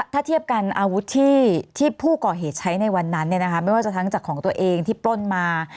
ถ้าเทียบกันอาวุธที่ผู้ก่อเหตุใช้ในวันนั้นไม่ว่าจะทั้งจากของตัวเองที่ปล้นมา